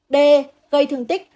d gây thương tích